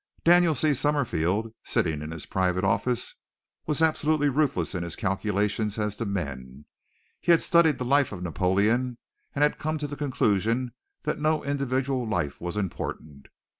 Daniel C. Summerfield, sitting in his private office, was absolutely ruthless in his calculations as to men. He had studied the life of Napoleon and had come to the conclusion that no individual life was important.